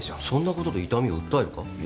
そんなことで痛みを訴えるか？